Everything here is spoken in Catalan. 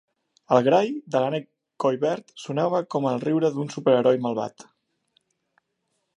El grall de l'ànec collverd sonava com el riure d'un superheroi malvat.